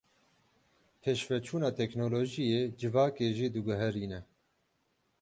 Pêşveçûna teknolojiyê civakê jî diguherîne.